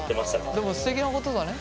でもすてきなことだね。